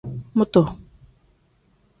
Mutu.